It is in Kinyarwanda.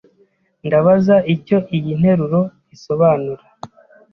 Ndabaza icyo iyi nteruro isobanura.